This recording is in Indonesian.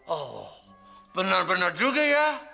oh bener bener juga ya